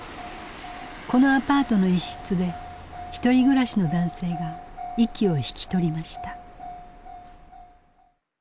このアパートの１室でひとり暮らしの男性が息を引き取りました。